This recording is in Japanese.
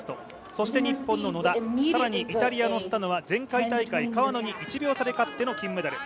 そして日本の野田、更にイタリアのスタノは前回大会、川野に１秒差で勝っての金メダル。